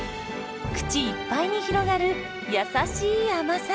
口いっぱいに広がる優しい甘さ。